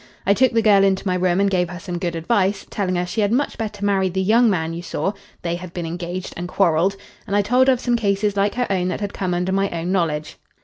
I took the girl into my room and gave her some good advice, telling her she had much better marry the young man you saw they had been engaged, and quarrelled and I told of some cases like her own that had come under my own knowledge.